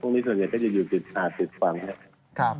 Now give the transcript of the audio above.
พวกนี้ส่วนใหญ่จะอยู่จิตหาดจิตฝังครับ